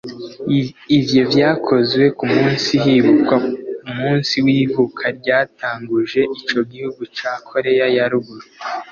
Ivyo vyakozwe ku musi hibukwa umusi w'ivuka ry'uwatanguje ico gihugu ca Koreya ya Ruguru